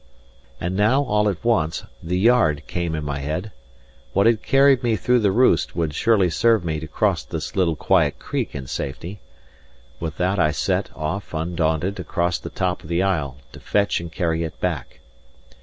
And now, all at once, the yard came in my head. What had carried me through the roost would surely serve me to cross this little quiet creek in safety. With that I set off, undaunted, across the top of the isle, to fetch and carry it back.